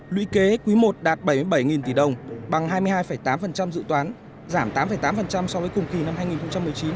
lũy kế quý i đạt bảy mươi bảy tỷ đồng bằng hai mươi hai tám dự toán giảm tám tám so với cùng kỳ năm hai nghìn một mươi chín